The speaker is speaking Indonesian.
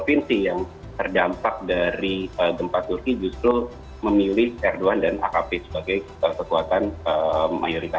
dan yang terdampak dari gempa turki justru memilih erdogan dan akp sebagai kekuatan mayoritas